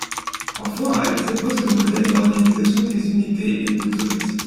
Enfin, elle propose le modèle d'organisation des unités et de dotation.